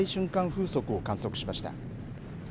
風速を観測しました。